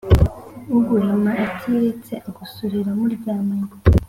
Uguhima atiretse agusurira mu ryamanye